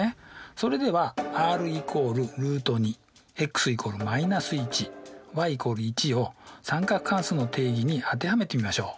それではｒ＝ルート２ｘ＝−１ｙ＝１を三角関数の定義に当てはめてみましょう。